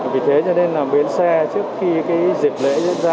vì thế cho nên là bến xe trước khi cái dịp lễ diễn ra